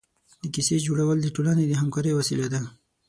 د کیسې جوړول د ټولنې د همکارۍ وسیله ده.